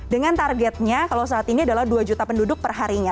dengan targetnya kalau saat ini adalah dua juta penduduk perharinya